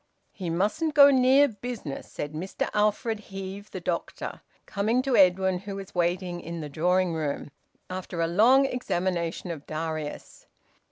"He mustn't go near business," said Mr Alfred Heve, the doctor, coming to Edwin, who was waiting in the drawing room, after a long examination of Darius.